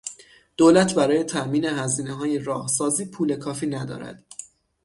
دولت برای تامین هزینههای راه سازی پول کافی ندارد.